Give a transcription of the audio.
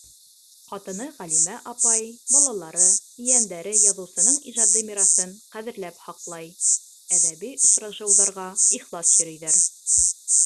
Ҡатыны Ғәлимә апай, балалары, ейәндәре яҙыусының ижади мираҫын ҡәҙерләп һаҡлай, әҙәби осрашыуҙарға ихлас йөрөйҙәр.